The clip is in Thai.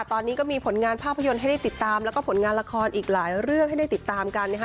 ตอนนี้ก็มีผลงานภาพยนตร์ให้ได้ติดตามแล้วก็ผลงานละครอีกหลายเรื่องให้ได้ติดตามกันนะคะ